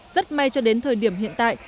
rất may cho đến thời điểm hiện tại